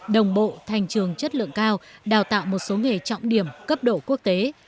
đồng bộ thành trường chất lượng cao đào tạo một số nghề trọng điểm cấp độ quốc tế